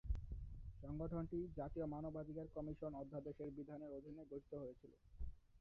সংগঠনটি জাতীয় মানবাধিকার কমিশন অধ্যাদেশের বিধানের অধীনে গঠিত হয়েছিল।